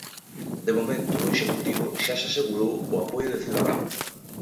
De momento, o Executivo xa se asegurou o apoio de Ciudadanos.